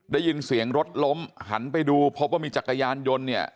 ได้ยินเสียงรถล้มหันไปดูพบว่ามีจักรยานยนต์เนี่ย